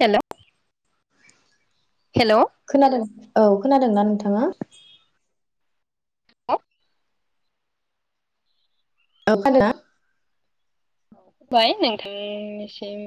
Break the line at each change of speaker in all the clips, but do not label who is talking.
हेल' hello
खोनादों औ खोना दोंना नोंथाङा?
खुलुमबाय
[inaudible]
फाय नोंथांनिसिम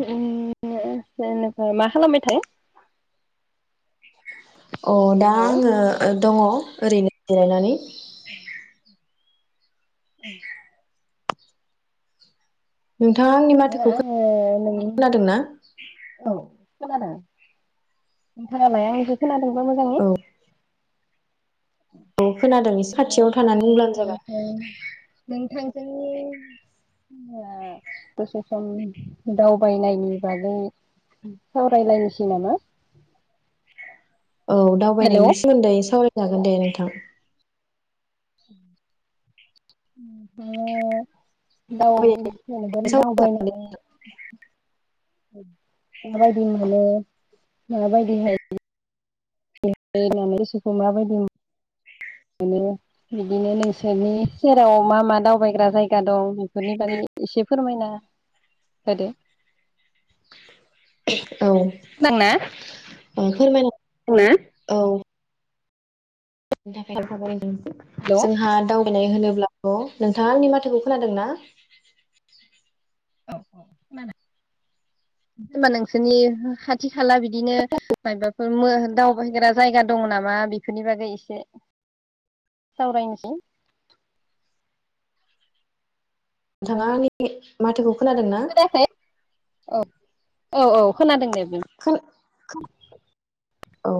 [unintelligible] मा खालामबाय थायो
अ दा
हेलौ
आङो दङ ओरैनो जिरायनानै
[inaudible]
नोंथाङा आंनि माथोखौ
आङो नोंनि
खोन नादों ना?
औ खोनादों नोंथाङालाय आंनिखौ खोना दोंबा
औ
मोजांङै?
औ खोनादों एसे खाथियाव थानानै होनब्लानो जाबाय
जों दसे सम दावबायनायनि बागै सावरायलायनोसै नामा
औ
हेल'
दावबायनायनि सोमोन्दै सावरायनो जागोन दे नोंथां
म दाउ जेनेबा दावबायनानै माबायदि मोनो माबायदिहाय होननानै इसोरखौ माबायदि मोनो बिदिनो नोंसोरनि सेराव मा मा दावबायग्रा जायगा दं बेफोरनि बारै एसे फोरमायना होदो
औ औ फोरमायना ना औ थाखाय
खोनादोंना
जोंहा दावबायनाय होनो नोंथां आंनि माथोखौ खोनादों ना
औ औ होनबा नोंसोरनि खाथि खाला बिदिनो माबाफोर दावबायग्रा जायगा दङ नामा बेफोरनि बागै एसे सावरायनोसै
नोंथाङा आंनि माथोखौ खोनादों ना
खोनायाखै औ औ औ खोनादों दे बुं
खो खोनादों औ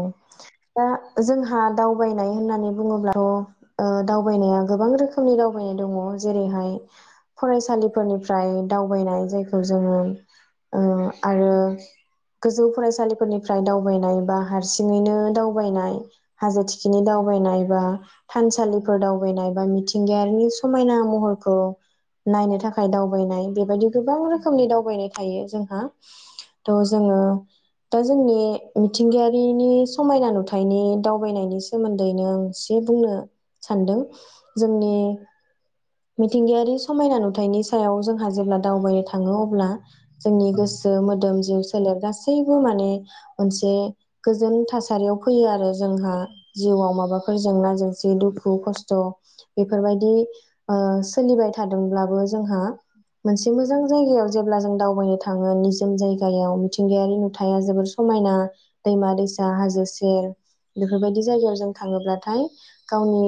दा जोंहा दावबायनाय होननानै बुङोब्लाथ' दावबायनाया गोबां रोखोमनि दावबायनाय दङ जेरैहाय फरायसालिफोरनिफ्राय दावबायनाय जायखौ जोङो आरो गोजौ फरायसालिफोरनिफ्राय दावबायनाय बा हारसिङैनो दावबायनाय हाजो थिखिनि दावबायनाय बा थानसालिफोर दावबायनाय बा मिथिंगायारि समायना महरखौ नायनो थाखाय दावबायनाय बेबायदि गोबां रोखोमनि दावबायनाय थायो जोंहा थ'
औ
जोङो दा जोंनि मिथिंगायारि नि समायना नुथायाइनि दावबायनायनि सोमोन्दैनो आं एसे बुंनो सान्दों जोंनि मिथिंगायारि समायना नुथायाइनि सायाव जोंहा जेब्ला दावबायनो थाङो अब्ला जोंनि गोसो मोदोम जिउ सोलेर गासैबो माने मोनसे गोजोन थासारियाव फैयो आरो जोंहा जिउआव माबाफोर जेंना जेंसि दुखु दुखु खस्थ' बेफोरबायदि सोलिबाय थादोंब्लाबो जोंहा मोनसे मोजां जायगायाव जेब्ला जों दावबायनो थां थाङो निजोम जायगायाव मिथिंगायारि नोजोर नुथाया जोबोर समायना दैमा दैसा हाजो सेर बेफोरबायदि जायगायाव जों थाङोब्लाथाय गावनि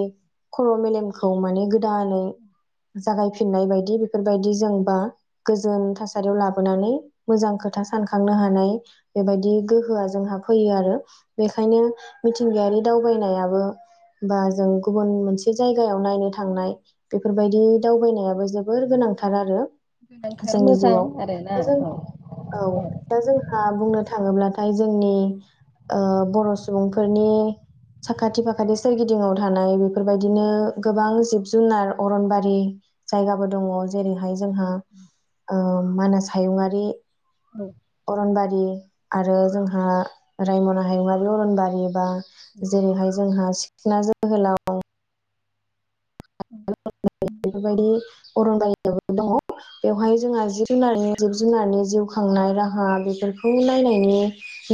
खर' मेलेमखौ माने गोदान जागायफिन फिननाय बायदि बेफोरबायदि जोंबा गोजोन थासारियाव लाबोनानै मोजां खोथा सानखांनो हानाय बेबायदि गोहोआ जोंहा फैयो आरो बेखायनो मिथिंगायारि दावबायनायाबो बा जों गुबुन मोनसे जायगायाव नायनो थांनाय बेफोरबायदि दावबायनायाबो जोब बोर गोनांथार आरो।
गोनांथार
जोंनि
मोजां
जिउआव
आरोना
दा जों
औ
औ दा जोंहा बुंनो थाङोब्ला जोंनि बर' सुबुंफोरनि साखाथि फाखाथि सोरगिदिंयाव थानाय बेफोरबायदिनो गोबां जिब जुनार अरनबारि जायगाबो दङ जेरैहाय जोंहा मानास हायुङारि
औ
अरनबारि आरो जोंहा रायमना हायुङरारि अरनबारि बा जेरैहाय जोंहा सिखना जोहोलाव [unintelligible] बेफोरबायदि अरनदायाबो दङ बेवहाय जोंहा जिब जुनारनि जिब जुनारनि जिउ खांनाय राहा बेफोरखौ नायनायनि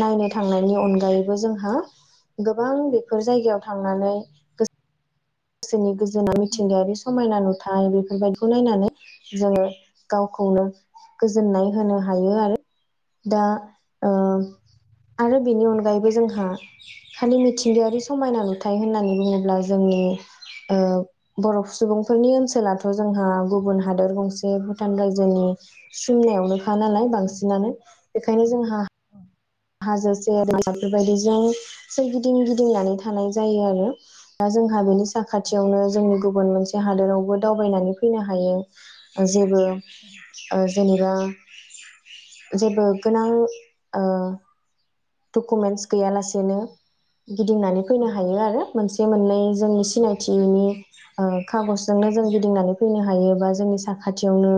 नायनो थांनायनि अनगायैबो जोंहा गोबां बेफोर जायगायाव थांनानै गोसो गोसोनि गोजोना मिथिंगायारि समायना नुथाय बेफोरबायदिखौ नायनानै जोङो गावखौनो गोजोननाय होनो हायो आरो दा ओ आरो बेनि अनगायैबो जोंहा खालि मिथिंगायारि समायना नुथाय होननानै बुङोब्ला जोंनि बर' सुबुंफोरनि ओनसोलाथ' जोंहा गुबुन हादर गंसे भुटान रायजोनि सिमनायावनो खा नालाय बांसिनानो बेखायनो जोंहा हाजो सेरसाद बेबायदिजोंस गिदिं गिदिंनानै थानाय जायो आरो दा जोंहा बेनि साखाथियावनो जोंनि गुबुन मोनसे हादोरावबो दावबायनानै फैनो हायो जेबो ओ जेनेबा जेबो गोनां ओ डकुमेन्टस गैयालासेनो गिदिंनानै फैनो हायो आरो मोनसे मोननै जोंनि सिनायथिनि खागजजोंनो जों गिदिंनानै फैनो हायो बा जोंनि साखाथियावनो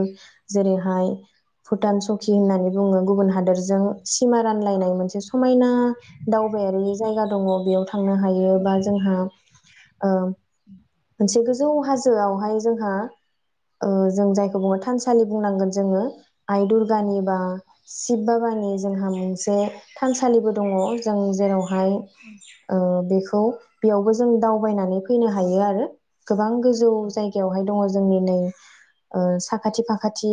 जेरैहाय भुटान सकि होननानै बुङो गुबुन हादोर जों सिमां थांलाय समायना दावबायारि जायगा दङ बेयाव थांनो हायो बा जोंहा ओ मोनसे गोजौ हाजोआवहाय जोंहा जों जायखौ बुङो थानसालि बुंनांगोन जोङो आइ दुरगानि बा सिश बा हानि जोंहा मोनसे थानसालिबो दङ जों जेराव हाय बिखौ खौ बेयावबो जों दावबायनानै फैनो हायो आरो। [inaudible] गोबां गोजौ जायगायावहाय दङ जोंनि नै ओ साखाथि फाखाथि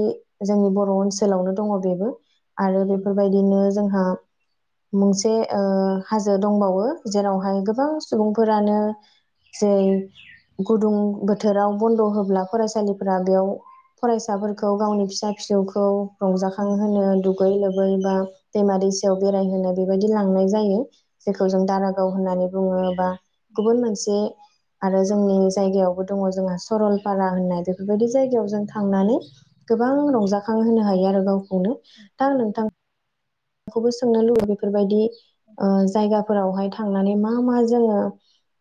जोंनि बर' ओनसोलावनो दङ बेबो आरो बेफोरबायदिनो जोंहा मुंसे ओ हाजो दंबावो जेरावहाय गोबां सुबुंफोरानो जै गुदुं बोथोराव बन्द' होब्ला फरायसालिफोरा बेयाव फरायसाफोरखौ गावनि फिसा फिसौखौ
औ औ
रंजाखांहोनो दुगै लोबै बा दैमा दैसायाव बेरायहोनो बेबायदि लांनाय जायो जेखौ जों दारागाव होननानै बुङोबा गुबुन मोनसे आरो जोंनि जायगायावबो दङ जोंहा सरलपारा होननाय बेफोरबायदि जायगायाव जों थांनानै गोबां रंजाखां होनो हायो आरो गाव खौनो दा आं नोंथां खौबो सोंनो लुबै बेफोरबायदि ओ जायगाफोरावहाय था थांनानै मा मा जोङो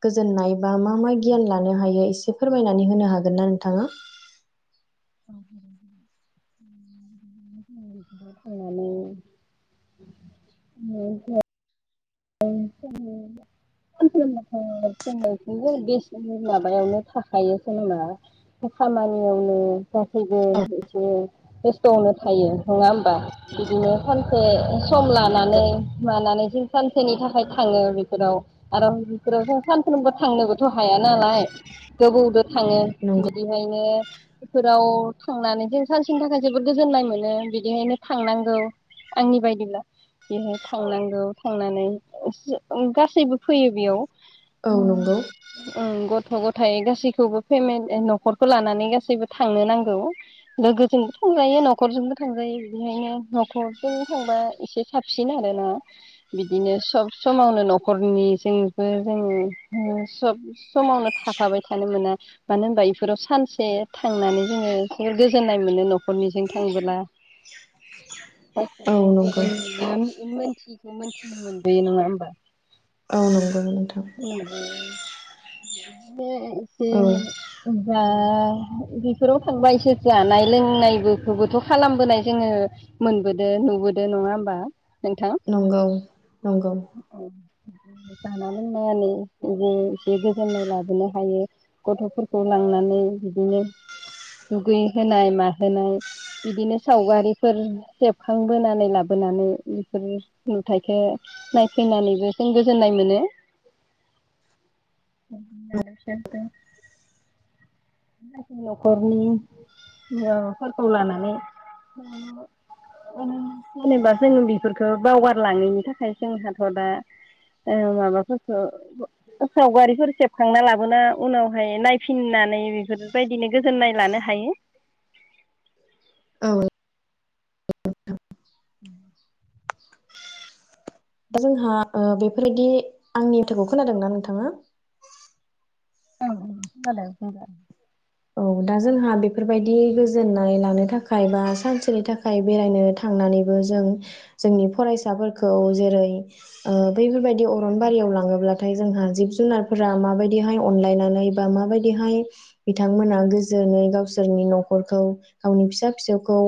गोजोननाय बा मा मा गियान लानो हायो एसे फोरमायनानै होनो हागोन ना नोंथाङा?
[unintelligible] [unintelligible] खामानियावनो गासैबो एसे बेस्थ'आवनो थायो नङा होमबा बिदिनो सानसे सम लानानै मानानै जों सानसेनि थाख हाय थाङो बेफोराव आरो बेफोरावथ सानफ्रोमबो थांनोबोथ' हाया नालाय गोबौदो थाङो
नंगौ
बिदिहायनो बेफोराव थांनानै जों सानसेनि थाखाय जोबोद गोजोननाय मोनो बिदिहायनो थांनांगौ आंनि बायदिब्ला बेहाय थांनांगौ थांनानै [unintelligible] गासैबो फैयो बेयाव
औ नंगौ
[unintelligible] ओं गथ' गथ थाय गासैखौबो फेमेन न'खरखौ लानानै गासैबो थांनो नांगौ लोगोजोंबो थांजायो न'खरजोंबो थांजायो बिदिहायनो न'खरजों थांबा एसे साबसिन आरोना बिदिनो सब समावनो न'खरनिजोंबो जोङो सब समावनो थाफाबाय थानो मोना मानो होनबा इफोराव सानसे थांनानै जोङो एसे गोजोननाय मोनो न'खरनिजों थांबोला
औ नंगौ
[unintelligible] थि खो मोनथिनो मोनो बे नङा ओमबा
औ नंगौ नोंथां
[unintelligible] से
औ
[unintelligible] ओ बेफोराव थांबा इसोर जानाय लोंनायबोफोखोबोथ' खालामबोनाय जोङो मोनबोदो नुबोदो नङा होमबा
नंगौ नंगौ
औ जाना लोंनानै बो एसे गोजोननाय लाबोनो हायो गथ'फोरखौ लांनानै बिदिनो दुगैहोनाय माहोनाय बिदिनो सावगारिफोर सेबखांबोनानै लाबोनानै बेफोर नुथायखो नायफैनानैबो जों गोजोननाय मोनो [unintelligible] न'खरनि माबाफोरखौ लानानै [unintelligible] जेनेबा जो बेफोरखौ बावगारलाङैनि थाखाय जोंहाथ' दा माबाफोरखौ सावगारिफोर सेबखांना लाबोना उनावहाय नायफिननानै बेफोरबायदिनो गोजोननाय लानो हायो
औ
[inaudible]
दा जोंहा बेफोरबायदि आंनि माथोखौ खोनादों ना नोंथाङा
औ जाबाय जाबाय
औ दा जोंहा बे बेफोरबायदि गोजोननाय लानो थाखाय बा सानसे नि थाखाय बेरायनो थांनानैबो जों जोंनि फरायसाफोरखौ जेरै बैफोरबाय दि अरन बारियाव लाङोब्ला नाथाय जोंहा जिब जुनारफोरा माबायदिहाय अनलायनानै बा माबायदिहाय बिथांमोना गोजोनै गावसोरनि न'खरखौ गावनि फिसा फिसौखौ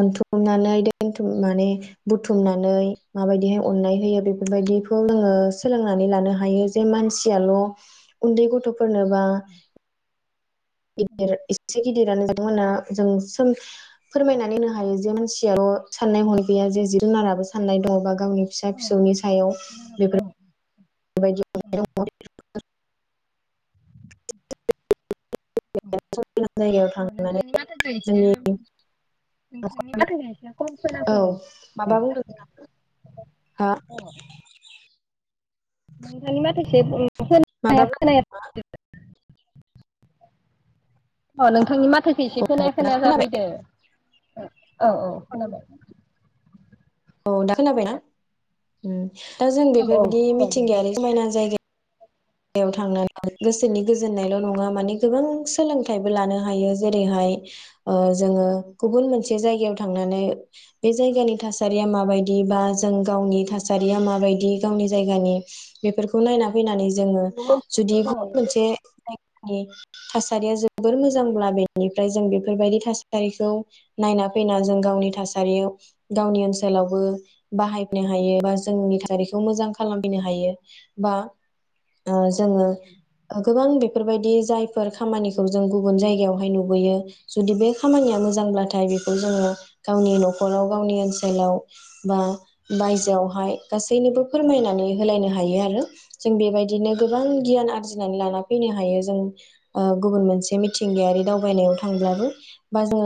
अनथुमनानै दोनथ माने बुथुमना नै माबायदिहाय अननाय होयो बेफोरबायदिखौ जोङो सोलोंनानै लानो हायो जे मानसियाल' उनदै गथ'फोरनोबा [unintelligible] गिदिरानो बिथांमोना जों फोरमायनानै होनो हायो जे मानसियाल' साननाय हनाय गैया जे जिब जुनाराबो साननाय दङबा गावनि फिसा फिसौनि सायाव
औ
बेफोर
औ
बेबायदि [unintelligible] [inaudible] जायगायाव
अ
थांनानै
नोंथांनि माथोखो एसे
जोंनि
नोंथांनि माथोखो एसे खम खोना
औ
फैदों
माबा बुंदों हा
औ [inaudible]
[inaudible]
नोंथांनि माथोखो एसे
माबा
खोनाया खोनाया [unintelligible] अ नोंथांनि माथ थोखो एसे खोनाया
बुंदों दा
खोनाया
खोनाबाय
जाफैदो औ औ खोनाबाय
औ दा खोनाबायना उ दा जों
औ औ
बेफोरबायदि
खोनाबाय दे
मिथिंगायारि समायना जायगा याव थांनानै गोसोनि गोजोन नायल' नङा माने गोबां सोलोंथाइबो लानो हायो जेरैहाय ओ जोङो गुबुन मोनसे जायगायाव थांनानै बे जायगानि थासारिया माबायदि बा जों गावनि थासारिया माबायदि गावनि जायगानि बेफोरखौ नायनानै फैनानै जोंङो जुदि
बुंलाय
गुबुन मोनसे थासारिया जोबोर मोजांब्ला बेनिफ्राय जों बेफोरबायदि थासारिखौ नायना फैना जों गावनि थासारियाव गावनि ओनसोलावबो बाहायनो हायो बा जोंनि थासारिखौ मोजां खालामफैनो हायो बा ओ जोंङो गोबां बि बेफोरबायदि जायफोर खामानिखौ जों गुबुन जायगायावहाय नुबोयो जुदि बे खामानिया मोजांब्लाथाय बेखौ जोंङो गावनि न'खराव गावनि ओनसोलाव बा बायजोआवहाय गासैनोबो फोरमायनानै होलायनो हायो आरो जों बेबायदि बिदिनो गोबां गियान आजिनानै लानानै फैनो हायो जों ओ गुबुन मिथिंगाया दावनायाव थांबो बा ज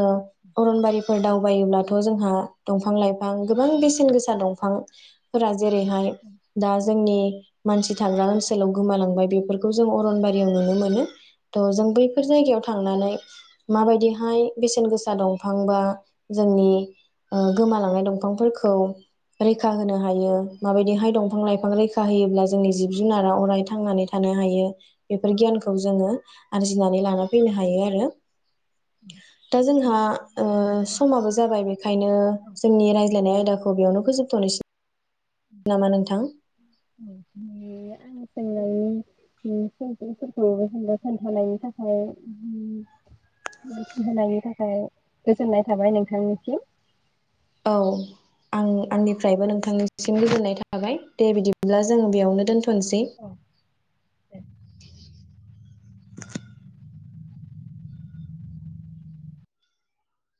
अ दावायोथ' जोंहा दफां - लाइफां गोबां बेसे गोसा दफां जेरैहाय दा जोंनि मानसि थांग्रा ओन आथिखालाव गोमालांबाय बेफोरखौ जों अरनबारियाव नुनो मोनो [unintelligible] जों बैफोर जायगायाव थांनानै मा बायदि हाय बेसेन गोसा दंफां बा जोंनि गोमालांनाय ओ दंफांफोरखौ रैखा होनो हायो माबायदि हाय दफां - लाइफां रैखा होब्ला जो जोंनि जिब - जुनार अराय थांनानै थानो हायो। बेफोर गियानखौ जोंङो आरजिनानै लाना फैनो हायो आरोना दा जोंहा समाबो जाबाय बेखायनो जोंनि रायज्लायनाय आयदाखौ बेयावनो फोजोबथ'नोसै नामा नोंथां
[unintelligible] ओम [unintelligible] [unintelligible] खिनथानायनि थाखाय ओम मिथिहोनायनि थाखाय गोजोननाय थाबाय नोंथांनिसिम
औ आं आंनिफ्रायबो नोंथांनिसिम गोजोननाय थाबाय दे बिदिब्ला जोंङो बेयावनो दोनथ' [unintelligible]